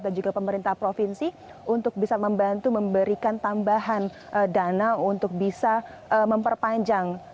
dan juga pemerintah provinsi untuk bisa membantu memberikan tambahan dana untuk bisa memperpanjang